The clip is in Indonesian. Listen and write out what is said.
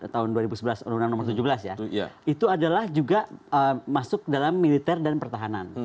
tahun dua ribu sebelas undang undang nomor tujuh belas ya itu adalah juga masuk dalam militer dan pertahanan